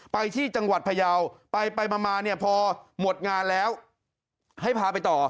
ไปที่จังหวัดพยาวไปมาเนี่ยพอหมดงานแล้วให้พาไปต่อ